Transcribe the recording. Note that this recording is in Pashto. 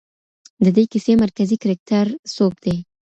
د دې کیسې مرکزي کرکټر څوک دی؟